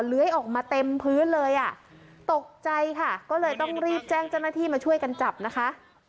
เลื้อยออกมาเต็มพื้นเลยอ่ะตกใจค่ะก็เลยต้องรีบแจ้งเจ้าหน้าที่มาช่วยกันจับนะคะ